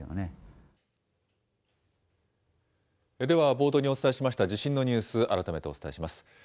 では冒頭にお伝えしました地震のニュース、改めてお伝えします。